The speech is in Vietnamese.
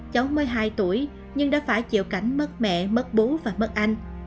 cháu mới hai tuổi nhưng đã phải chịu cảnh mất mẹ mất bố và mất anh